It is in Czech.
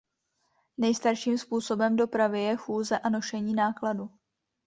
Nejstarším způsobem dopravy je chůze a nošení nákladu.